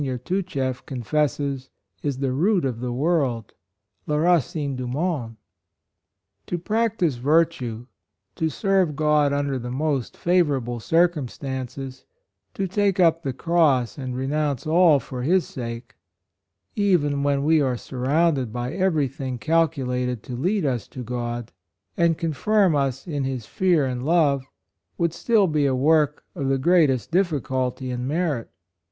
Tutchef confesses, is the root of the world — la ratine du monde" 13* 146 HIS HAPPY DEATH, To practise virtue, to serve God under the most favorable circum stances — to take up the cross and renounce all for His sake, even when we are surrounded by every thing calculated to lead us to God, and confirm us in his fear and love, would still be a work of the great est difficulty and merit.